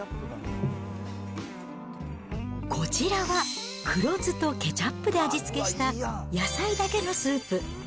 こちらは黒酢とケチャップで味付けした野菜だけのスープ。